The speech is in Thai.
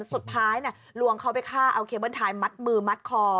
สุดท้ายลวงเขาไปฆ่าเอาเคเบิ้ลไทยมัดมือมัดคอ